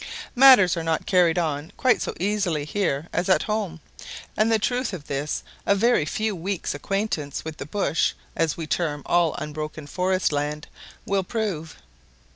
] Matters are not carried on quite so easily here as at home; and the truth of this a very few weeks' acquaintance with the bush, as we term all unbroken forest land, will prove.